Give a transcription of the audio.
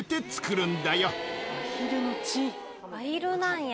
アヒルなんや。